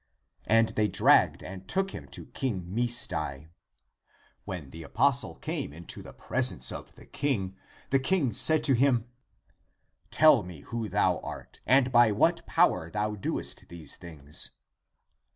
And they dragged and took him to King Misdai. When the apostle came into the presence of the king, the king said to him, " Tell me who thou art and by what power thou doest these things?"